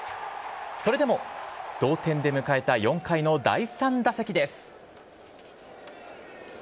それでも同点で迎えた４回の第３打席です。